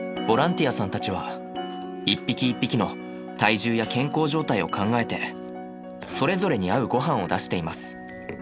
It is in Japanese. ボランティアさんたちは一匹一匹の体重や健康状態を考えてそれぞれに合う御飯を出しています。